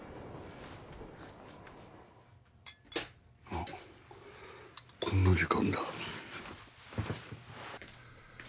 あっこんな時間だ。